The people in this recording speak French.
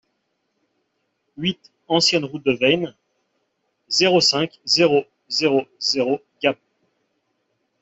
huit ancienne Route de Veynes, zéro cinq, zéro zéro zéro Gap